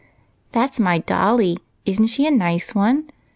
That 's my dolly ; is n't she a nice one